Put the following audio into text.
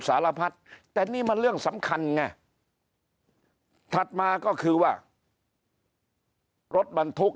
สารพัดแต่นี่มันเรื่องสำคัญไงถัดมาก็คือว่ารถบรรทุก